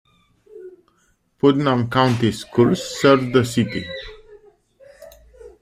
Putnam County Schools serves the city.